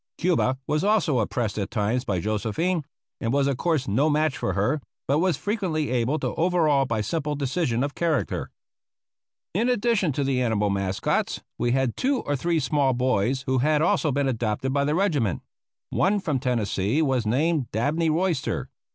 Cuba was also oppressed at times by Josephine, and was of course no match for her, but was frequently able to overawe by simple decision of character. In addition to the animal mascots, we had two or three small boys who had also been adopted by the regiment. One, from Tennessee, was named Dabney Royster.